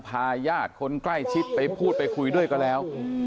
ญาติคนใกล้ชิดไปพูดไปคุยด้วยก็แล้ว